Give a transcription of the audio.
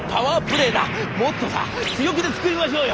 「もっとさ強気で作りましょうよ！